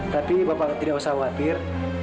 tapi bapak tidak usah khawatir